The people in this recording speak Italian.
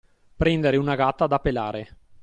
Prendere una gatta da pelare.